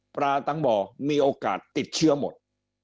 ปลาตังบ่อมีโอกาสติดเชื้อหมด